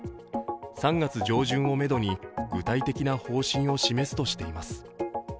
３月上旬をめどに、具体的な方針を示すとしています。